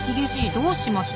どうしました？